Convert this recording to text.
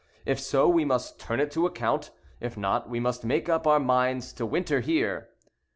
If so, we must turn it to account; if not, we must make up our minds to winter here."